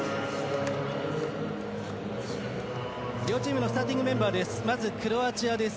両チームのスターティングメンバーです。